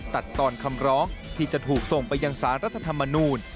ตัดตอนคำร้องที่จะถูกส่งไปยังสารรัฐธรรมนูล